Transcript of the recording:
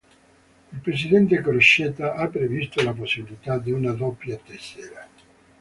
Il presidente Crocetta ha "previsto la possibilità di una doppia tessera".